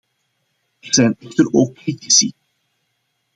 Er zijn echter ook critici.